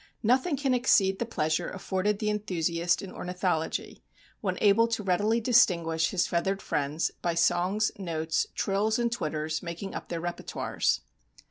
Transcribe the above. Nothing can exceed the pleasure afforded the enthusiast in ornithology when able to readily distinguish his feathered friends by songs, notes, trills, and twitters making up their repertoires.